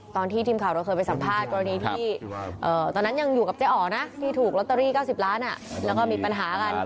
ตอนที่ทีมข่าวเราเคยไปสัมภาษณ์กรณีที่ตอนนั้นยังอยู่กับเจ๊อ๋อนะที่ถูกลอตเตอรี่๙๐ล้านแล้วก็มีปัญหากัน